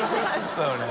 そうよね。